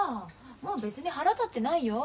もう別に腹立ってないよ。